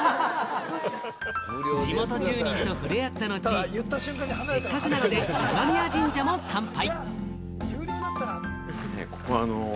地元住人と触れ合った後、せっかくなので今宮神社も参拝。